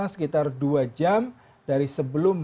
sekitar dua jam dari sebelum